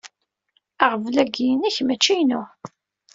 Aɣbel-agi inek, mačči inu.